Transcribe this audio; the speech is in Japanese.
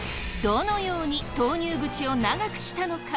どのように投入口を長くしたのか？